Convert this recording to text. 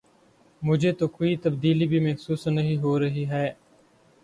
مجھے تو کوئی تبدیلی بھی محسوس نہیں ہو رہی ہے۔